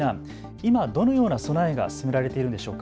今、どのような備えが進められているんでしょうか。